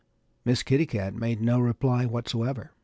Miss Kitty Cat made no reply whatsoever.